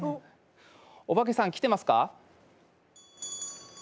お化けさん来てますか？